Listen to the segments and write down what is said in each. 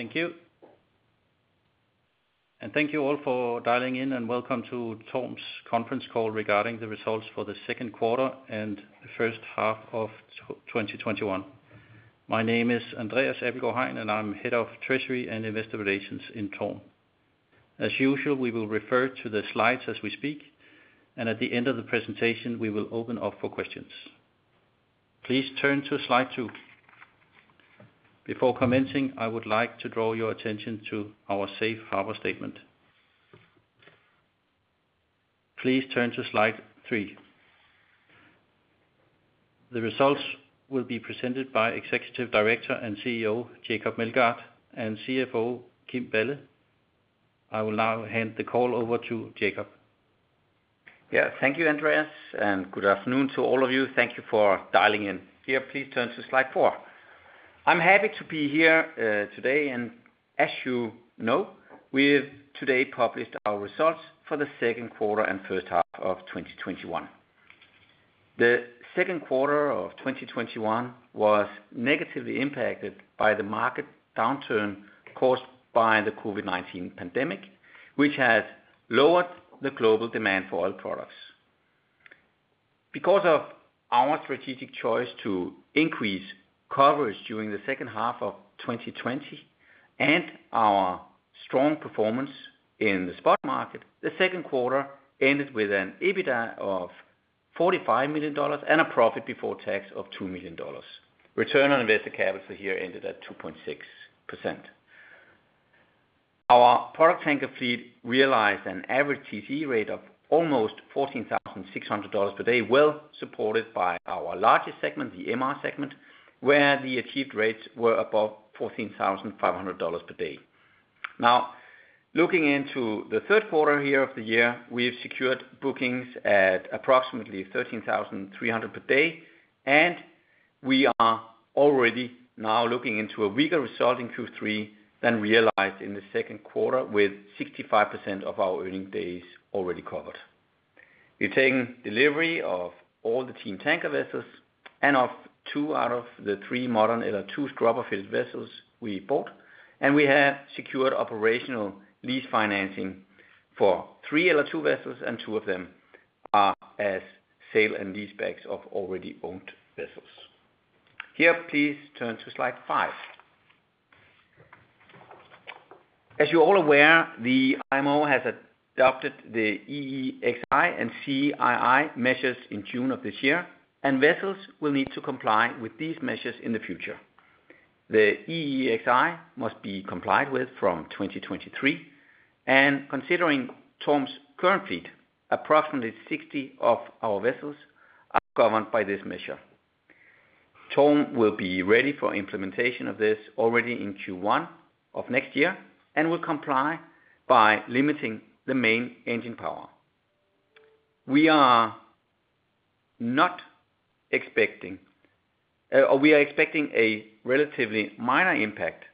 Thank you. Thank you all for dialing in, and welcome to TORM's conference call regarding the results for the second quarter and the first half of 2021. My name is Andreas Abildgaard-Hein, and I'm Head of Treasury and Investor Relations in TORM. As usual, we will refer to the slides as we speak, and at the end of the presentation, we will open up for questions. Please turn to slide two. Before commencing, I would like to draw your attention to our safe harbor statement. Please turn to slide three. The results will be presented by Executive Director and CEO Jacob Meldgaard and CFO Kim Balle. I will now hand the call over to Jacob. Thank you, Andreas, good afternoon to all of you. Thank you for dialing in. Please turn to slide four. I'm happy to be here today, as you know, we've today published our results for the second quarter and first half of 2021. The second quarter of 2021 was negatively impacted by the market downturn caused by the COVID-19 pandemic, which has lowered the global demand for oil products. Because of our strategic choice to increase coverage during the second half of 2020 and our strong performance in the spot market, the second quarter ended with an EBITDA of $45 million and a profit before tax of $2 million. Return on invested capital here ended at two point six percent. Our product tanker fleet realized an average TC rate of almost $14,600 per day, well supported by our largest segment, the MR segment, where the achieved rates were above $14,500 per day. Now, looking into the third quarter here of the year, we have secured bookings at approximately $13,300 per day, and we are already now looking into a bigger result in Q3 than realized in the second quarter with 65% of our earning days already covered. We've taken delivery of all the Team Tankers vessels and of two out of the three modern LR2 scrubber-fitted vessels we bought, and we have secured operational lease financing for three LR2 vessels, and two of them are as sale and leasebacks of already owned vessels. Here, please turn to slide five. As you're all aware, the IMO has adopted the EEXI and CII measures in June of this year, and vessels will need to comply with these measures in the future. The EEXI must be complied with from 2023, and considering TORM's current fleet, approximately 60 of our vessels are governed by this measure. TORM will be ready for implementation of this already in Q1 of next year and will comply by limiting the main engine power. We are expecting a relatively minor impact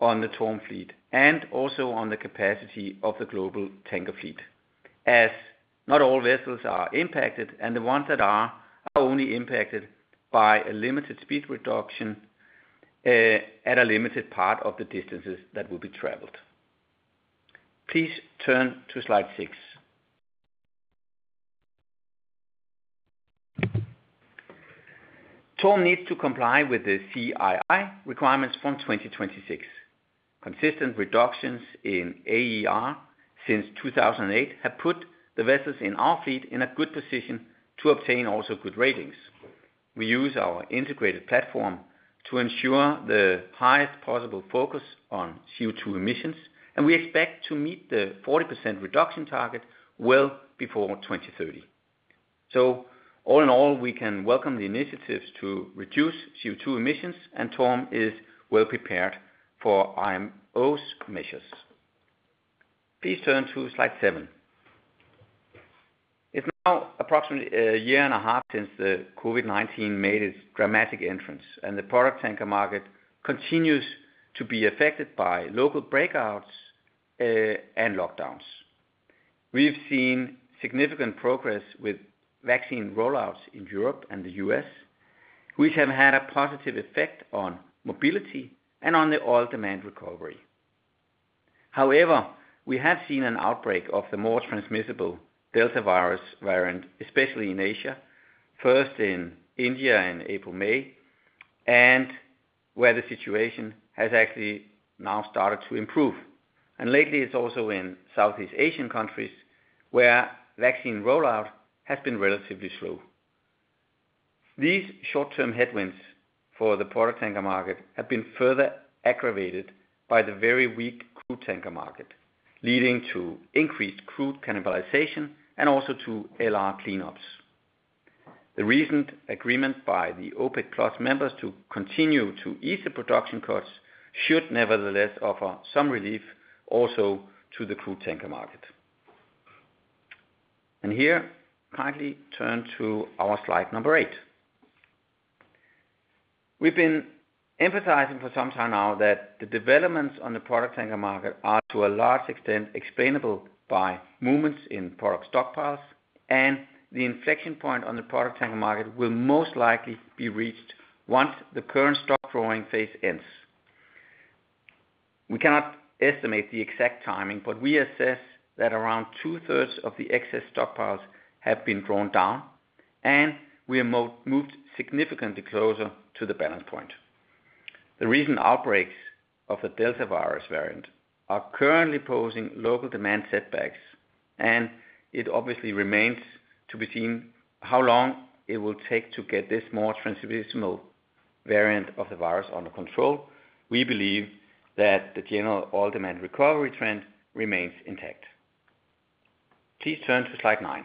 on the TORM fleet and also on the capacity of the global tanker fleet, as not all vessels are impacted, and the ones that are only impacted by a limited speed reduction at a limited part of the distances that will be traveled. Please turn to slide six. TORM needs to comply with the CII requirements from 2026. Consistent reductions in AER since 2008 have put the vessels in our fleet in a good position to obtain also good ratings. We use our integrated platform to ensure the highest possible focus on CO2 emissions, and we expect to meet the 40% reduction target well before 2030. All in all, we can welcome the initiatives to reduce CO2 emissions, and TORM is well prepared for IMO's measures. Please turn to slide seven. It's now approximately a year and a half since the COVID-19 made its dramatic entrance, and the product tanker market continues to be affected by local breakouts and lockdowns. We've seen significant progress with vaccine rollouts in Europe and the U.S., which have had a positive effect on mobility and on the oil demand recovery. However, we have seen an outbreak of the more transmissible Delta variant, especially in Asia, first in India in April, May, where the situation has actually now started to improve. Lately, it's also in Southeast Asian countries where vaccine rollout has been relatively slow. These short-term headwinds for the product tanker market have been further aggravated by the very weak crude tanker market, leading to increased crude cannibalization and also to LR clean-ups. The recent agreement by the OPEC Plus members to continue to ease the production cuts should nevertheless offer some relief also to the crude tanker market. Here, kindly turn to our slide number eight. We've been emphasizing for some time now that the developments on the product tanker market are, to a large extent, explainable by movements in product stockpiles, and the inflection point on the product tanker market will most likely be reached once the current stock growing phase ends. We cannot estimate the exact timing, but we assess that around two-thirds of the excess stockpiles have been drawn down, and we have moved significantly closer to the balance point. The recent outbreaks of the Delta virus variant are currently posing local demand setbacks, and it obviously remains to be seen how long it will take to get this more transmissible variant of the virus under control. We believe that the general oil demand recovery trend remains intact. Please turn to slide nine.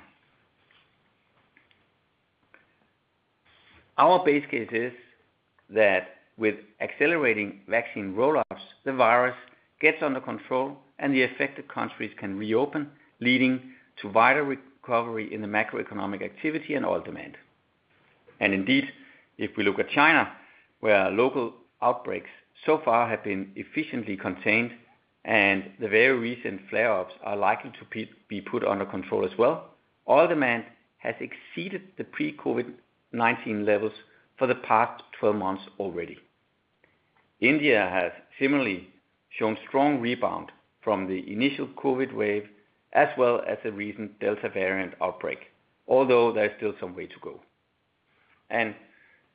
Our base case is that with accelerating vaccine roll-outs, the virus gets under control and the affected countries can reopen, leading to wider recovery in the macroeconomic activity and oil demand. Indeed, if we look at China, where local outbreaks so far have been efficiently contained and the very recent flare-ups are likely to be put under control as well, oil demand has exceeded the pre-COVID-19 levels for the past 12 months already. India has similarly shown strong rebound from the initial COVID wave, as well as the recent Delta variant outbreak, although there is still some way to go.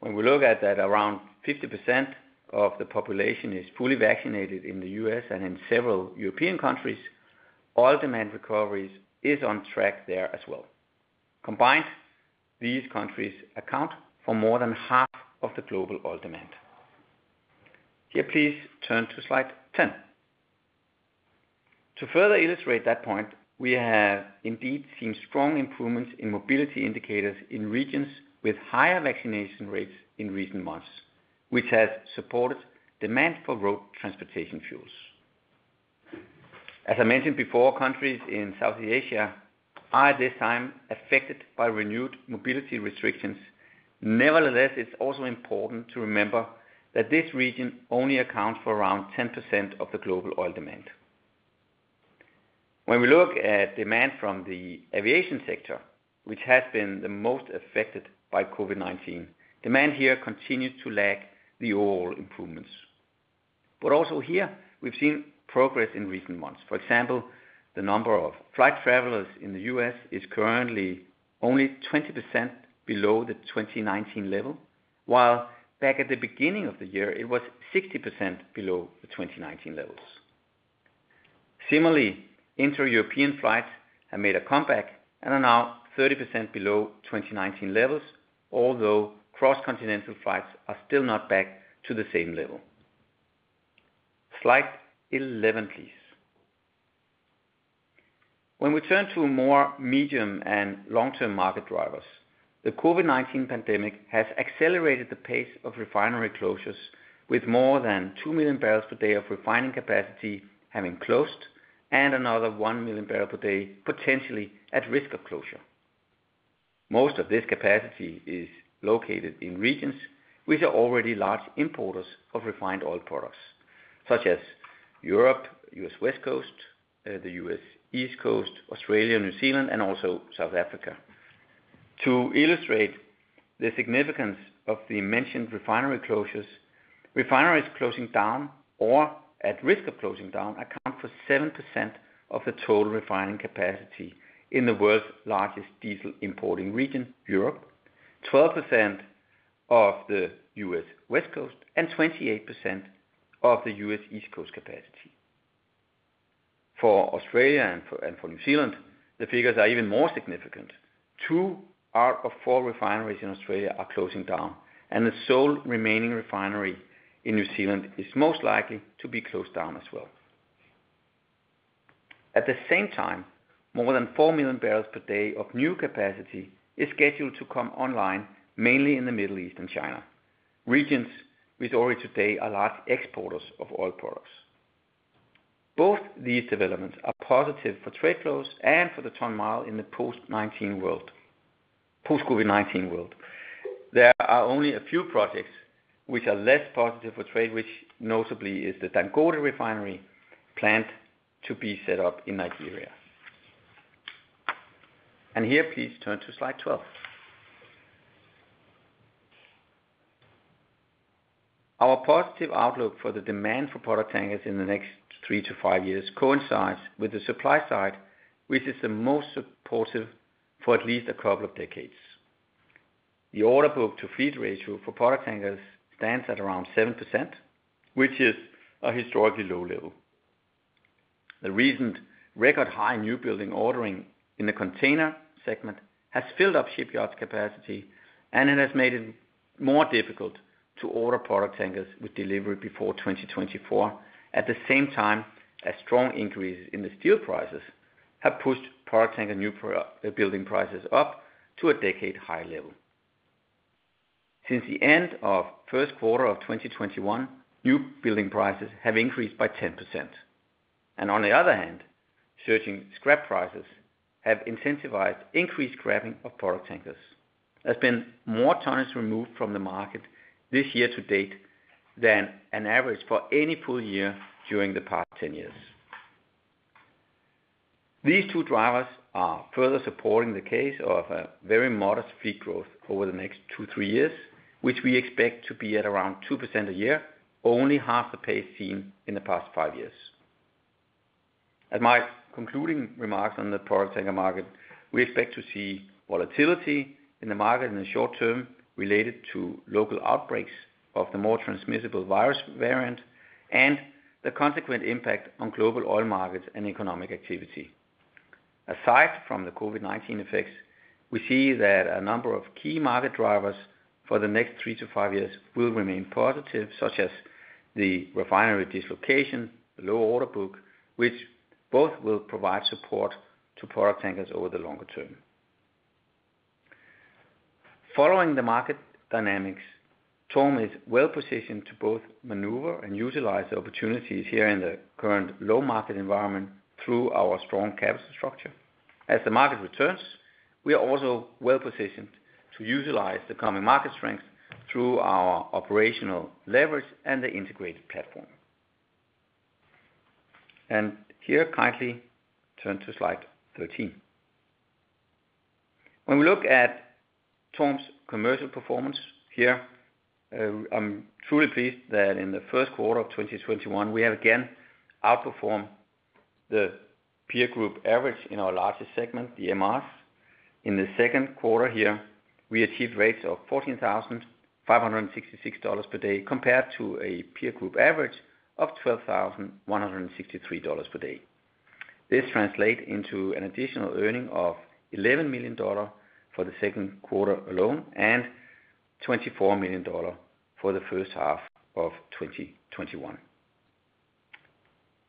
When we look at that, around 50% of the population is fully vaccinated in the U.S. and in several European countries, oil demand recoveries is on track there as well. Combined, these countries account for more than half of the global oil demand. Here, please turn to slide 10. To further illustrate that point, we have indeed seen strong improvements in mobility indicators in regions with higher vaccination rates in recent months, which has supported demand for road transportation fuels. As I mentioned before, countries in Southeast Asia are at this time affected by renewed mobility restrictions. Nevertheless, it's also important to remember that this region only accounts for around 10% of the global oil demand. When we look at demand from the aviation sector, which has been the most affected by COVID-19, demand here continues to lag the overall improvements. Also here, we've seen progress in recent months. For example, the number of flight travelers in the U.S. is currently only 20% below the 2019 level, while back at the beginning of the year, it was 60% below the 2019 levels. Similarly, inter-European flights have made a comeback and are now 30% below 2019 levels, although cross-continental flights are still not back to the same level. Slide 11, please. When we turn to more medium and long-term market drivers, the COVID-19 pandemic has accelerated the pace of refinery closures with more than two million barrels per day of refining capacity having closed and another one million barrels per day potentially at risk of closure. Most of this capacity is located in regions which are already large importers of refined oil products such as Europe, U.S. West Coast, the U.S. East Coast, Australia, New Zealand and also South Africa. To illustrate the significance of the mentioned refinery closures, refineries closing down or at risk of closing down account for seven percent of the total refining capacity in the world's largest diesel importing region, Europe, 12% of the U.S. West Coast, and 28% of the U.S. East Coast capacity. For Australia and for New Zealand, the figures are even more significant. Two out of four refineries in Australia are closing down, and the sole remaining refinery in New Zealand is most likely to be closed down as well. At the same time, more than four million barrels per day of new capacity is scheduled to come online, mainly in the Middle East and China, regions which already today are large exporters of oil products. Both these developments are positive for trade flows and for the ton mile in the post-COVID-19 world. There are only a few projects which are less positive for trade, which notably is the Dangote Refinery plant to be set up in Nigeria. Here, please turn to slide 12. Our positive outlook for the demand for product tankers in the next three to five years coincides with the supply side, which is the most supportive for at least a couple of decades. The orderbook to fleet ratio for product tankers stands at around seven percent, which is a historically low level. The recent record high newbuilding ordering in the container segment has filled up shipyards' capacity, and it has made it more difficult to order product tankers with delivery before 2024. At the same time, a strong increase in the steel prices have pushed product tanker newbuilding prices up to a decade high level. Since the end of first quarter of 2021, newbuilding prices have increased by 10%. On the other hand, surging scrap prices have incentivized increased scrapping of product tankers. There has been more tonnage removed from the market this year-to-date than an average for any full year during the past 10 years. These two drivers are further supporting the case of a very modest fleet growth over the next two, three years, which we expect to be at around two percent a year, only half the pace seen in the past five years. As my concluding remarks on the product tanker market, we expect to see volatility in the market in the short term related to local outbreaks of the more transmissible virus variant and the consequent impact on global oil markets and economic activity. Aside from the COVID-19 effects, we see that a number of key market drivers for the next three to five years will remain positive, such as the refinery dislocation, low orderbook, which both will provide support to product tankers over the longer term. Following the market dynamics, TORM is well-positioned to both maneuver and utilize the opportunities here in the current low market environment through our strong capital structure. As the market returns, we are also well-positioned to utilize the coming market strength through our operational leverage and the integrated platform. Here, kindly turn to slide 13. When we look at TORM's commercial performance here, I am truly pleased that in the first quarter of 2021, we have again outperformed the peer group average in our largest segment, the MRs. In the second quarter here, we achieved rates of $14,566 per day, compared to a peer group average of $12,163 per day. This translate into an additional earning of $11 million for the second quarter alone and $24 million for the first half of 2021.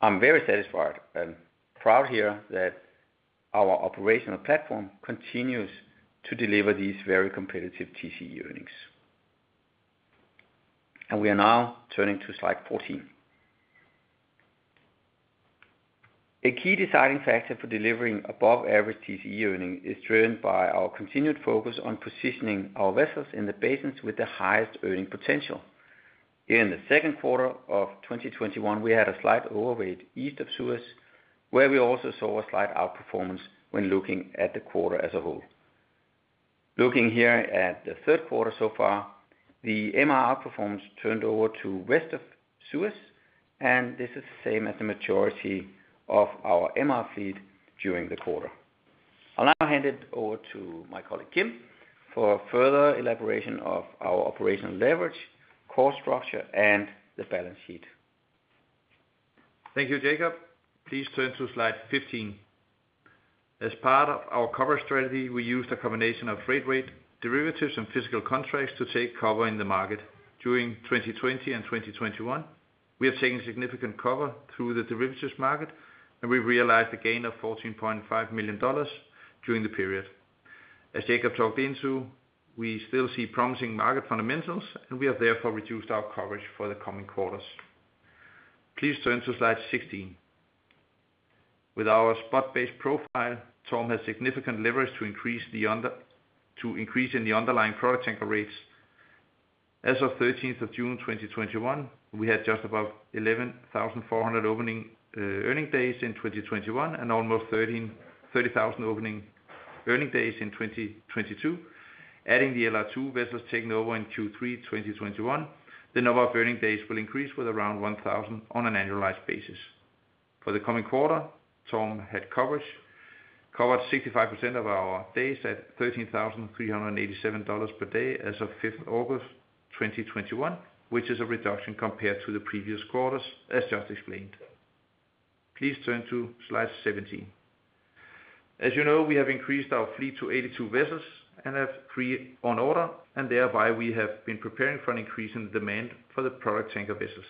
I'm very satisfied and proud here that our operational platform continues to deliver these very competitive TCE earnings. We are now turning to slide 14. A key deciding factor for delivering above average TCE earning is driven by our continued focus on positioning our vessels in the basins with the highest earning potential. Here in the second quarter of 2021, we had a slight overweight east of Suez, where we also saw a slight outperformance when looking at the quarter as a whole. Looking here at the third quarter so far, the MR outperformance turned over to west of Suez. This is the same as the majority of our MR fleet during the quarter. I'll now hand it over to my colleague, Kim, for further elaboration of our operational leverage, cost structure, and the balance sheet. Thank you, Jacob Meldgaard. Please turn to slide 15. As part of our cover strategy, we used a combination of freight rate derivatives and physical contracts to take cover in the market. During 2020 and 2021, we have taken significant cover through the derivatives market. We realized a gain of $14.5 million during the period. As Jacob Meldgaard talked into, we still see promising market fundamentals. We have therefore reduced our coverage for the coming quarters. Please turn to slide 16. With our spot-based profile, TORM has significant leverage to increase in the underlying product tanker rates. As of 13th of June 2021, we had just above 11,400 opening earning days in 2021. Almost 30,000 opening earning days in 2022. Adding the LR2 vessels taking over in Q3 2021, the number of earning days will increase with around 1,000 on an annualized basis. For the coming quarter, TORM had coverage, covered 65% of our days at $13,387 per day as of 5th August 2021, which is a reduction compared to the previous quarters, as just explained. Please turn to slide 17. As you know, we have increased our fleet to 82 vessels and have three on order, and thereby we have been preparing for an increase in the demand for the product tanker vessels.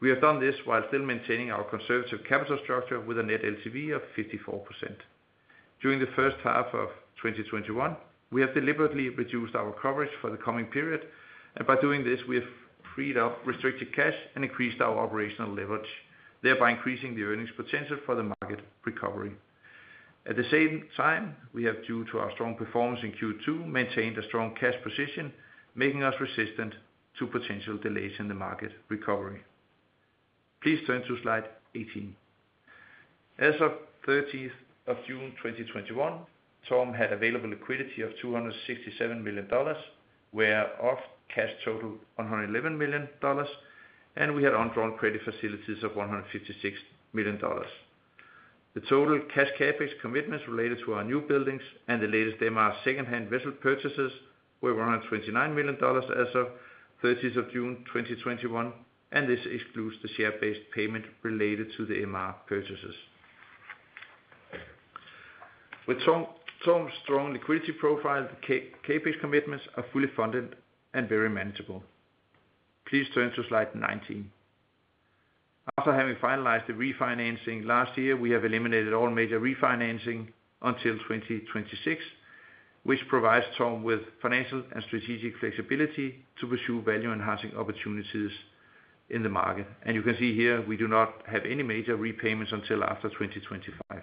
We have done this while still maintaining our conservative capital structure with a net LTV of 54%. During the first half of 2021, we have deliberately reduced our coverage for the coming period, and by doing this, we have freed up restricted cash and increased our operational leverage, thereby increasing the earnings potential for the market recovery. At the same time, we have, due to our strong performance in Q2, maintained a strong cash position, making us resistant to potential delays in the market recovery. Please turn to slide 18. As of 30th of June 2021, TORM had available liquidity of $267 million, whereof cash total $111 million, and we had undrawn credit facilities of $156 million. The total cash CapEx commitments related to our newbuildings and the latest MR secondhand vessel purchases were $129 million as of 30th of June 2021, and this excludes the share-based payment related to the MR purchases. With TORM's strong liquidity profile, the CapEx commitments are fully funded and very manageable. Please turn to slide 19. After having finalized the refinancing last year, we have eliminated all major refinancing until 2026, which provides TORM with financial and strategic flexibility to pursue value-enhancing opportunities in the market. You can see here we do not have any major repayments until after 2025.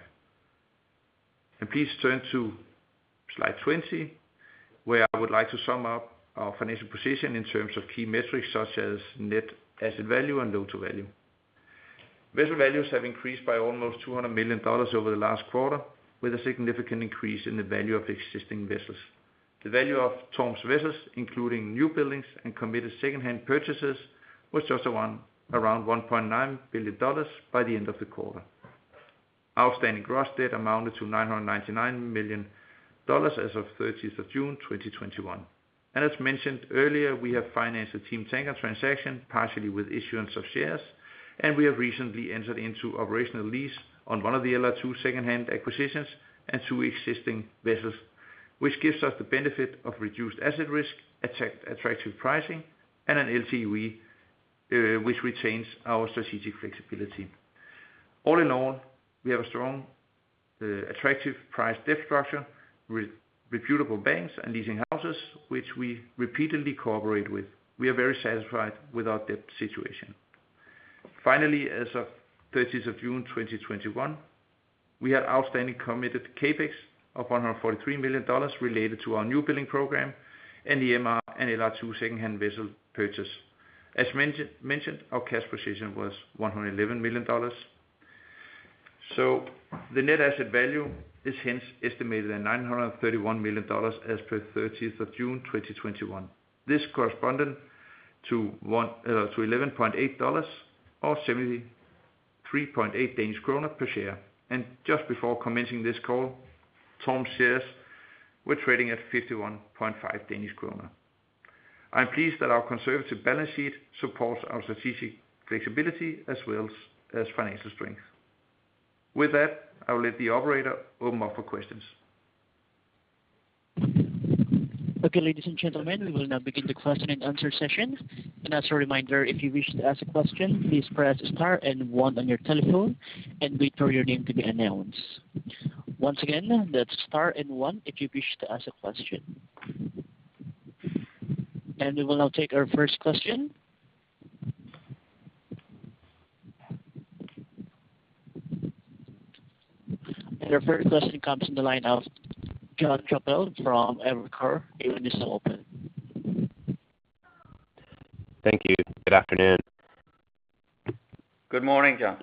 Please turn to slide 20, where I would like to sum up our financial position in terms of key metrics such as net asset value and loan-to-value. Vessel values have increased by almost $200 million over the last quarter, with a significant increase in the value of existing vessels. The value of TORM's vessels, including newbuildings and committed secondhand purchases, was just around $1.9 billion by the end of the quarter. Outstanding gross debt amounted to $999 million as of 30th of June 2021. As mentioned earlier, we have financed the TeamTankers transaction partially with issuance of shares, and we have recently entered into operational lease on one of the LR2 secondhand acquisitions and two existing vessels, which gives us the benefit of reduced asset risk, attractive pricing, and an LTV which retains our strategic flexibility. All in all, we have a strong, attractive price debt structure with reputable banks and leasing houses, which we repeatedly cooperate with. We are very satisfied with our debt situation. Finally, as of 30th of June 2021, we had outstanding committed CapEx of $143 million related to our newbuilding program and the MR and LR2 secondhand vessel purchase. As mentioned, our cash position was $111 million. The net asset value is hence estimated at $931 million as per 30th of June 2021. This corresponded to $11.8 or 73.8 Danish kroner per share. Just before commencing this call, TORM shares were trading at 51.5 Danish kroner. I am pleased that our conservative balance sheet supports our strategic flexibility as well as financial strength. With that, I will let the operator open up for questions. Okay, ladies and gentlemen, we will now begin the question and answer session. As a reminder, if you wish to ask a question, please press star one on your telephone and wait for your name to be announced. Once again, that's star one if you wish to ask a question. We will now take our first question. Our first question comes in the line of Jon Chappell from Evercore. Your line is now open. Thank you. Good afternoon. Good morning, Jon.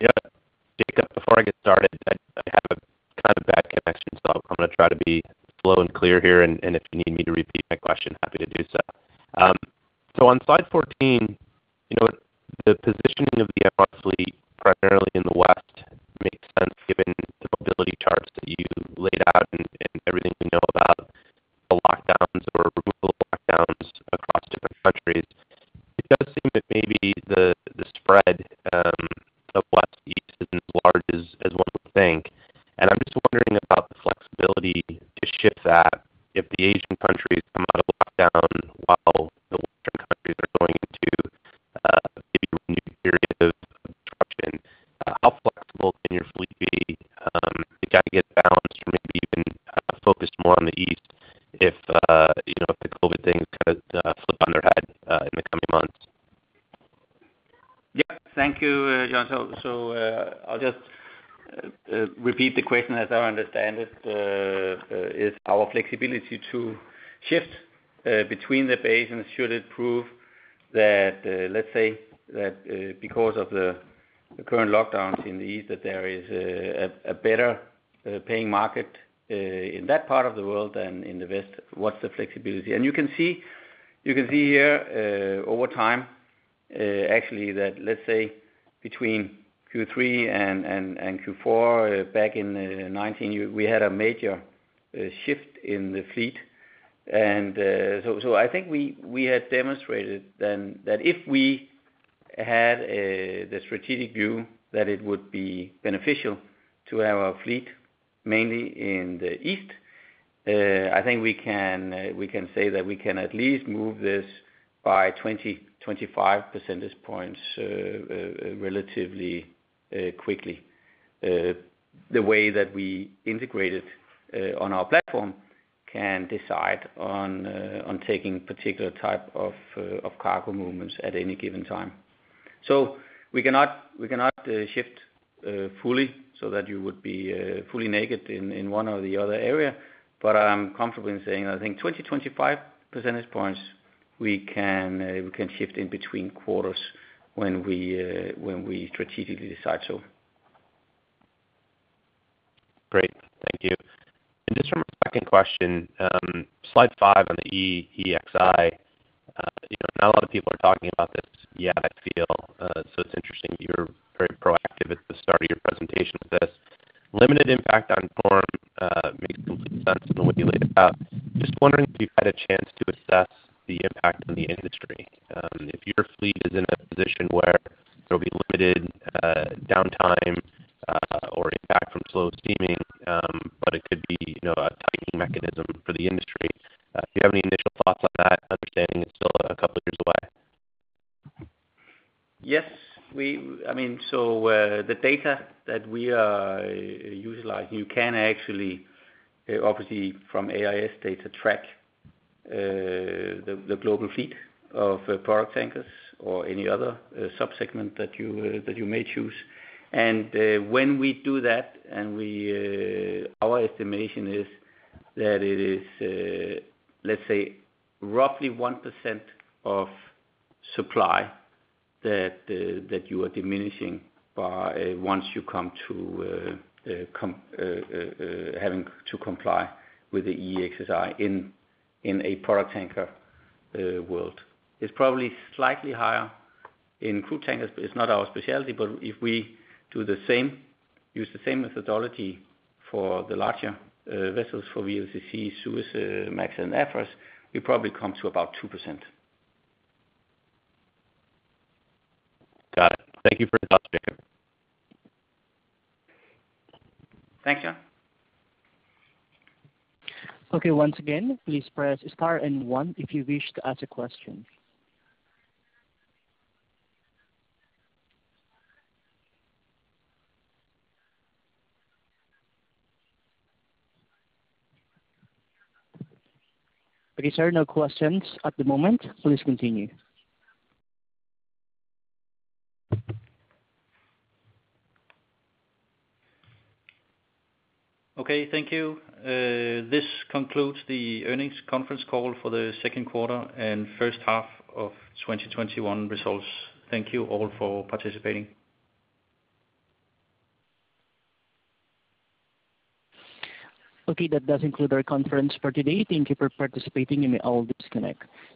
Jacob, before I get started, I have a kind of bad connection, so I'm going to try to be slow and clear here. If you need me to repeat my question, happy to do so. On slide 14, the positioning of the MR fleet primarily in the West Q3 and Q4 back in 2019, we had a major shift in the fleet. I think we had demonstrated then that if we had the strategic view that it would be beneficial to have our fleet mainly in the east, I think we can say that we can at least move this by 20-25 percentage points relatively quickly. The way that we integrate it on our platform can decide on taking particular type of cargo movements at any given time. We cannot shift fully so that you would be fully naked in one or the other area. I'm comfortable in saying I think 20, 25 percentage points we can shift in between quarters when we strategically decide so. Great. Thank you. Just from a second question, slide five on the EEXI. Not a lot of people are talking about this yet, I feel, so it's interesting you're very proactive at the start of your presentation with this. Limited impact on TORM makes complete sense in the way you laid it out. Just wondering if you've had a chance to assess the impact on the industry, if your fleet is in a position where there'll be limited downtime or impact from slow steaming, but it could be a tightening mechanism for the industry. If you have any initial thoughts on that, understanding it's still a couple of years away. Yes. The data that we are utilizing, you can actually, obviously from AIS data, track the global fleet of product tankers or any other sub-segment that you may choose. When we do that, our estimation is that it is, let's say, roughly one percent of supply that you are diminishing once you come to having to comply with the EEXI in a product tanker world. It's probably slightly higher in crude tankers. It's not our specialty, but if we use the same methodology for the larger vessels for VLCC, Suezmax and Aframax, we probably come to about two percent. Got it. Thank you for your thoughts, Jacob. Thanks, Jon. Okay, once again, please press star and one if you wish to ask a question. Okay, sir, no questions at the moment. Please continue. Okay, thank you. This concludes the earnings conference call for the second quarter and first half of 2021 results. Thank you all for participating. Okay, that does conclude our conference for today. Thank you for participating. You may all disconnect.